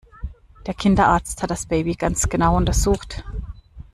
Der Kinderarzt hat das Baby ganz genau untersucht.